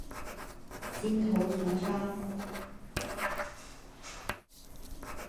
新头足纲。